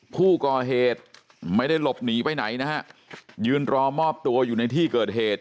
ผู้ก่อเหตุไม่ได้หลบหนีไปไหนนะฮะยืนรอมอบตัวอยู่ในที่เกิดเหตุ